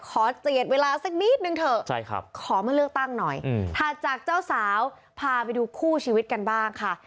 เจียดเวลาสักนิดนึงเถอะขอมาเลือกตั้งหน่อยถัดจากเจ้าสาวพาไปดูคู่ชีวิตกันบ้างค่ะ